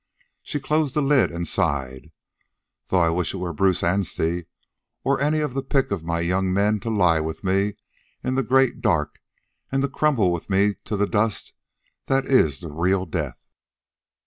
She closed the lid and sighed. "Though I wish it were Bruce Anstey, or any of the pick of my young men to lie with me in the great dark and to crumble with me to the dust that is the real death."